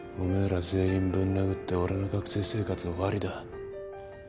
ら全員ぶん殴って俺の学生生活終わりだ。